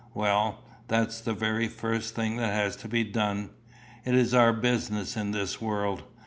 "Well, that's the very first thing that has to be done. It is our business in this world.